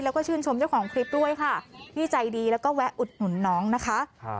แล้วก็ชื่นชมเจ้าของคลิปด้วยค่ะที่ใจดีแล้วก็แวะอุดหนุนน้องนะคะ